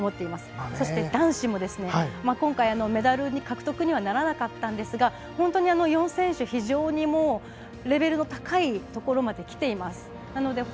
そして男子も今回メダル獲得にはならなかったんですが４選手、非常にレベルの高いところまできています。